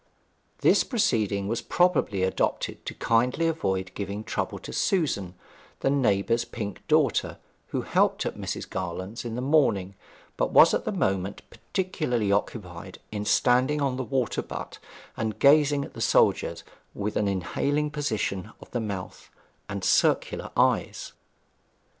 This proceeding was probably adopted to kindly avoid giving trouble to Susan, the neighbour's pink daughter, who helped at Mrs. Garland's in the mornings, but was at that moment particularly occupied in standing on the water butt and gazing at the soldiers, with an inhaling position of the mouth and circular eyes.